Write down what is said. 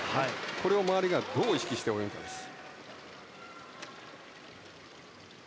これを周りがどう意識して泳ぐかです。